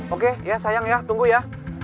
oke ya sayang ya tunggu ya